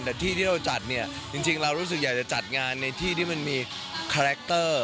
แต่ที่ที่เราจัดเนี่ยจริงเรารู้สึกอยากจะจัดงานในที่ที่มันมีคาแรคเตอร์